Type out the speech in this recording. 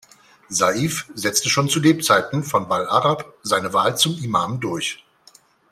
Saif setzte schon zu Lebzeiten von Balʿarab seine Wahl zum Imam durch.